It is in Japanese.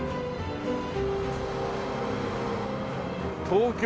東京